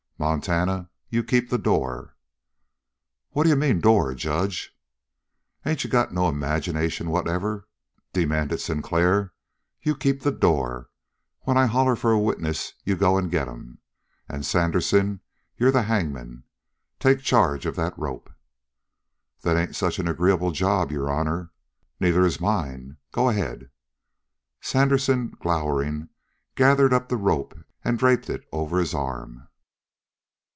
"Montana, you keep the door." "What d'you mean door, judge?" "Ain't you got no imagination whatever?" demanded Sinclair. "You keep the door. When I holler for a witness you go and get 'em. And Sandersen, you're the hangman. Take charge of that rope!" "That ain't such an agreeable job, your honor." "Neither is mine. Go ahead." Sandersen, glowering, gathered up the rope and draped it over his arm.